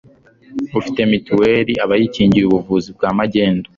ufite mituweli aba yikingiye ubuvuzi bwa magendu